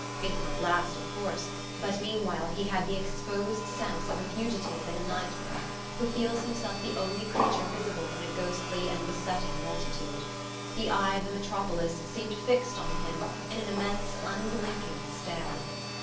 It would not last, of course; but meanwhile he had the exposed sense of a fugitive in a nightmare, who feels himself the only creature visible in a ghostly and besetting multitude. The eye of the metropolis seemed fixed on him in an immense unblinking stare.